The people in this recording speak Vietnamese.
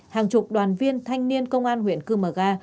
hàng chục đoàn viên thanh niên công an huyện chimuga